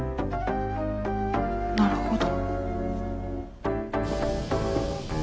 なるほど。